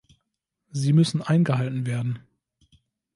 Sie müssen eingehalten werden.